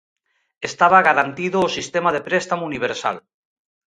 Estaba garantido o sistema de préstamo universal.